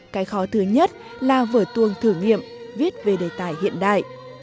cái khó thứ nhất là vở tuồng thử nghiệm viết về đề tài hiện đại